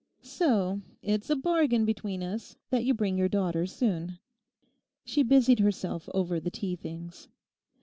So, it's a bargain between us that you bring your daughter soon.' She busied herself over the tea things.